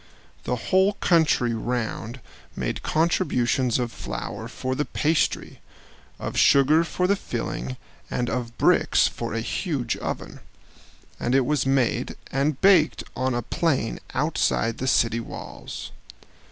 The whole country round made contributions of flour for the pastry, of sugar for the filling, and of bricks for a huge oven; and it was made and baked on a plain outside the city walls.